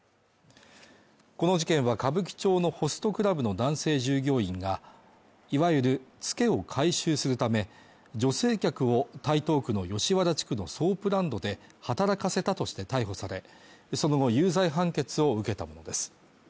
この事件は歌舞伎町のホストクラブの男性従業員がいわゆるツケを回収するため女性客を台東区の吉原地区のソープランドで働かせたとして逮捕されその後有罪判決を受けたものです